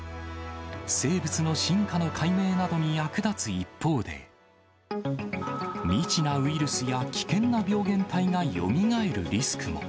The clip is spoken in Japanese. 生物の進化の解明などに役立つ一方で、未知なウイルスや危険な病原体がよみがえるリスクも。